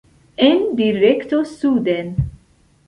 En direkto suden.